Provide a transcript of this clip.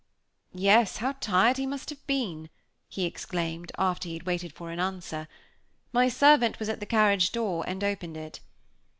"Yes, how tired he must have been!" he exclaimed, after he had waited for an answer. My servant was at the carriage door, and opened it.